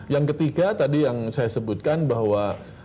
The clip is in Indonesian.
yang ketiga tadi yang saya sebutkan bahwa